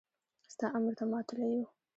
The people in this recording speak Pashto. ستا امر ته ماتله يو.